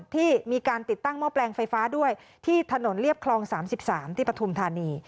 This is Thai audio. ที่มีการติดตั้งหม้อแปลงไฟฟ้าด้วยที่ถนนเรียบคลอง๓๓ที่ปฐุมธานี